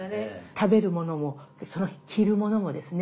食べるものもその日着るものもですね